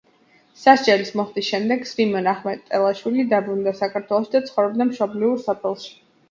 სასჯელის მოხდის შემდეგ სვიმონ ახმეტელაშვილი დაბრუნდა საქართველოში და ცხოვრობდა მშობლიურ სოფელში.